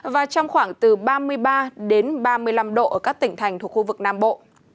và trong khoảng từ ba mươi ba đến ba mươi năm độ ở các tỉnh thành thuộc khu vực nam bộ